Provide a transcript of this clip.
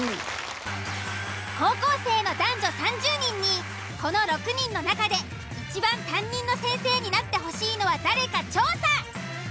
高校生の男女３０人にこの６人の中でいちばん担任の先生になってほしいのは誰か調査。